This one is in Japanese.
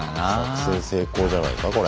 作戦成功じゃないかこれ。